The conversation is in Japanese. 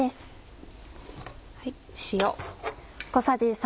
塩。